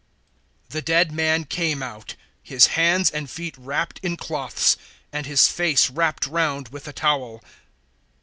011:044 The dead man came out, his hands and feet wrapped in cloths, and his face wrapped round with a towel.